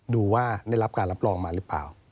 ดูว่าได้รับการรับรองมาหรือเปล่า